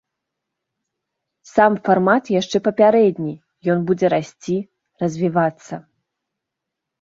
Сам фармат яшчэ папярэдні, ён будзе расці, развівацца.